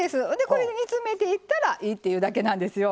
これで煮詰めていったらいいっていうだけなんですよ。